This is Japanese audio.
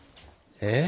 えっ？